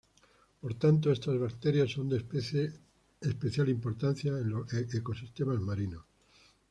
Por tanto, estas bacterias son de especial importancia en los ecosistemas marinos.